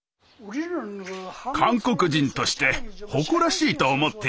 韓国人として誇らしいと思っていました。